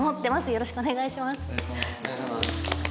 よろしくお願いします。